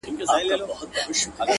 o لكه گلاب چي سمال ووهي ويده سمه زه؛